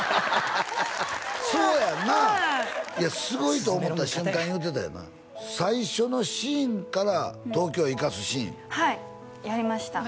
そうやんなあはいいやすごいと思った瞬間言ってたよな最初のシーンから東京へ行かすシーンはいやりました